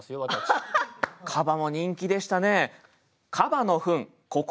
河馬も人気でしたね。